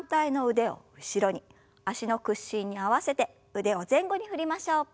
脚の屈伸に合わせて腕を前後に振りましょう。